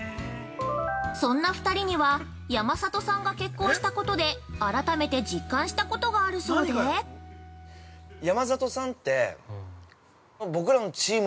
◆そんな二人には、山里さんが結婚したことで改めて実感したことがあるそうで◆悪性ですからね、絶対。